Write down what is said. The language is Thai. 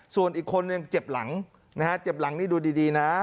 ส่วนอีกคนนึงเจ็บหลังนะฮะเจ็บหลังนี่ดูดีนะ